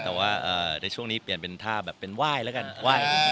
แต่ว่าช่วงนี้เปลี่ยนเปิ่นท่าเป็นว่ายละกัน